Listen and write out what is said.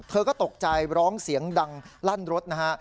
เธอก็ตกใจร้องเสียงดังลั่นรถนะฮะ